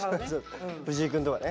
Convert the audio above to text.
藤井くんとかね。